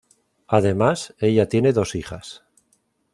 Además, ella tiene dos hijas.